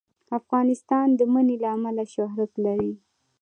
افغانستان د منی له امله شهرت لري.